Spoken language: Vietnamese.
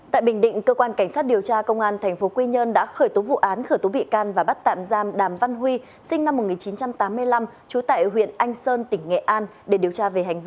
tại bình định cơ quan cảnh sát điều tra công an tp quy nhơn đã khởi tố vụ án khởi tố bị can và bắt tạm giam đàm văn huy sinh năm một nghìn chín trăm tám mươi năm chú tại huyện anh sơn tỉnh nghệ an